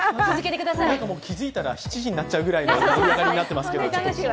気づいたら７時になっちゃうぐらいの盛り上がりになってますけど。